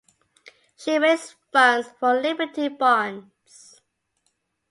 She raised funds for Liberty Bonds.